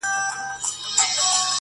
هر څوک د خپل ضمير سره يو څه جګړه لري,